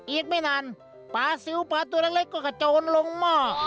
อีกไม่นานปลาซิลปลาตัวเล็กก็กระโจนลงหม้อ